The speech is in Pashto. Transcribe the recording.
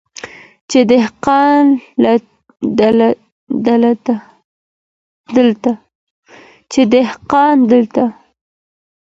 چي دهقان دلته